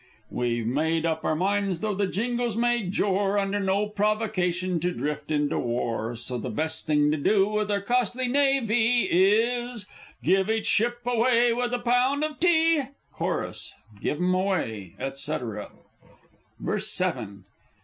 _) We've made up our minds though the Jingoes may jor Under no provocation to drift into war! So the best thing to do with our costly Na vee Is Give each ship away, with a Pound of Tea! Chorus Give 'em away, &c. VERSE VII.